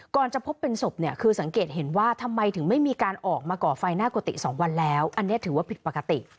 จะพบเป็นศพเนี่ยคือสังเกตเห็นว่าทำไมถึงไม่มีการออกมาก่อไฟหน้ากุฏิ๒วันแล้วอันนี้ถือว่าผิดปกติ